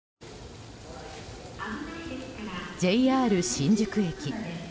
ＪＲ新宿駅。